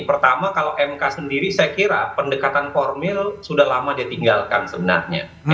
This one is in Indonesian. pertama kalau mk sendiri saya kira pendekatan formil sudah lama dia tinggalkan sebenarnya